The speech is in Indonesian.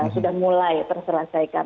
sudah mulai terselesaikan